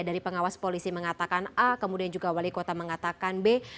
dari pengawas polisi mengatakan a kemudian juga wali kota mengatakan b